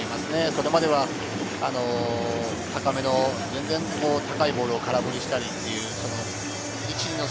それまでは高めの全然高いボールを空振りしたりっていう。